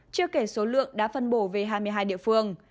chưa kể số lượng đã phân bổ về hai mươi hai địa phương